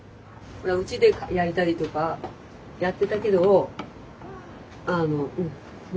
うちで焼いたりとかやってたけどあのうん。